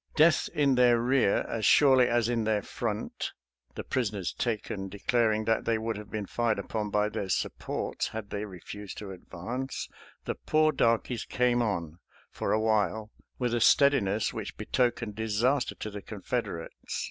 Death in their rear as surely as in their front (the prisoners taken declaring that they would have been fired upon by their sup ports had they refused to advance), the poor darkies came oH, for a while, with a steadiness which betokened disaster to the Confederates.